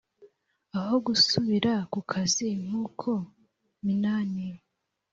aho gusubira ku kazi nk uko minani